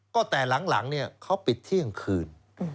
ก็แต่หลังเขาปิดเที่ยงคืน